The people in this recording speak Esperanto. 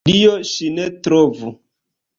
Dio, ŝi ne trovu!